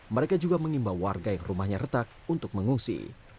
mereka juga mengimbau warga yang rumahnya retak untuk mengungsi